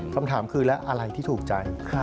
คำถามคือแล้วอะไรที่ถูกใจ